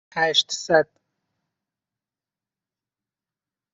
هشتصد